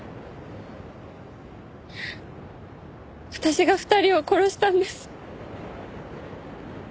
私が２人を殺したんです。